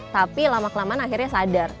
tapi lama kelamaan akhirnya sadar